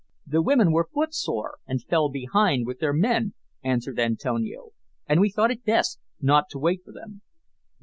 "The women were footsore, and fell behind with their men," answered Antonio, "and we thought it best not to wait for them."